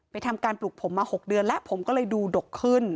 ทำการปลูกผมมา๖เดือนแล้วผมก็เลยดูดกขึ้น